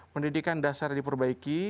pendidikan dasar diperbaiki